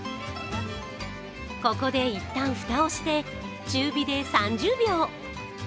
ここでいったん、蓋をして中火で３０秒。